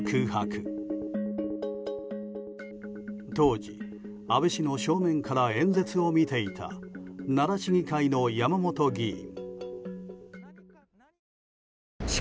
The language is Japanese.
当時、安倍氏の正面から演説を見ていた奈良市議会の山本議員。